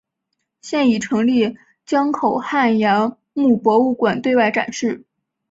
现已成立江口汉崖墓博物馆对外展示。